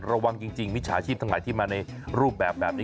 ระวังจริงมิจฉาชีพทั้งหลายที่มาในรูปแบบนี้